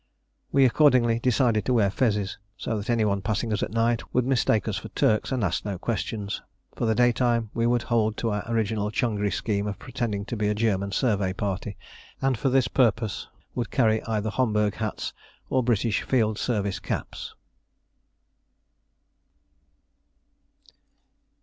We accordingly decided to wear fezes, so that any one passing us at night would mistake us for Turks and ask no questions. For the daytime we would hold to our original Changri scheme of pretending to be a German survey party, and for this purpose would carry either Homburg hats or British field service caps.